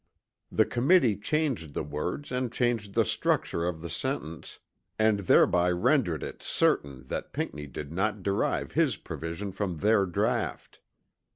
The Committee changed the words and changed the structure of the sentence and thereby rendered it certain that Pinckney did not derive his provision from their draught.